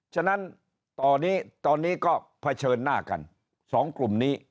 ฉะนั้นตอนนี้ก็เผชิญหน้ากันสองกลุ่มนี้